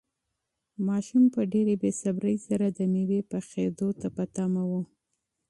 ماشوم په ډېرې بې صبري سره د مېوې پخېدو ته په تمه و.